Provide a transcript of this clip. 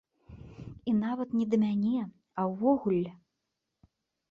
І нават не да мяне, а ўвогуле.